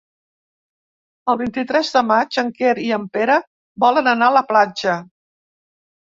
El vint-i-tres de maig en Quer i en Pere volen anar a la platja.